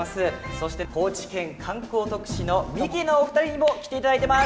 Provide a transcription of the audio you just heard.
そして高知県観光特使のミキのお二人にも来ていただいてます！